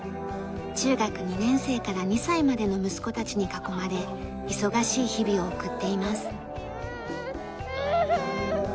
中学２年生から２歳までの息子たちに囲まれ忙しい日々を送っています。